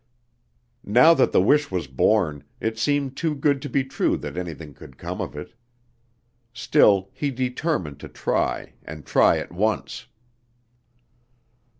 Now that the wish was born, it seemed too good to be true that anything could come of it. Still, he determined to try, and try at once.